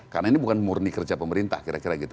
karena ini bukan murni kerja pemerintah kira kira gitu